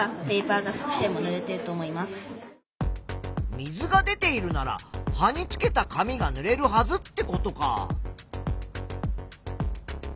水が出ているなら葉につけた紙がぬれるはずってことか。